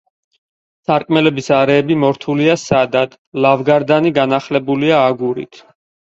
სარკმლების არეები მორთულია სადად, ლავგარდანი განახლებულია აგურით.